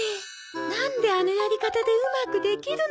なんであのやり方でうまくできるのよ？